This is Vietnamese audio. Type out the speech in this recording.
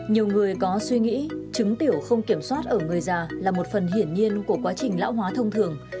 nhiều người có suy nghĩ trứng tiểu không kiểm soát ở người già là một phần hiển nhiên của quá trình lão hóa thông thường